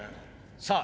さあ